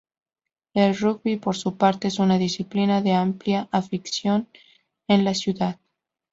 El rugby, por su parte, es una disciplina de amplia afición en la ciudad.